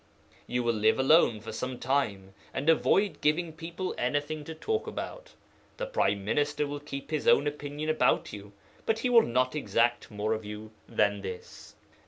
You will live alone for some time, and avoid giving people anything to talk about. The Prime Minister will keep his own opinion about you, but he will not exact more of you than this."'